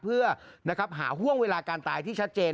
เพื่อหาห่วงเวลาการตายที่ชัดเจน